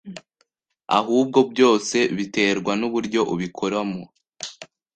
ahubwo byose biterwa n’uburyo ubikoramo